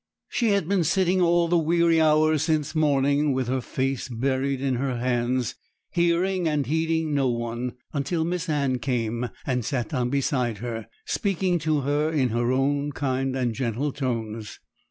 She had been sitting all the weary hours since morning with her face buried in her hands, hearing and heeding no one, until Miss Anne came and sat down beside her, speaking to her in her own kind and gentle tones.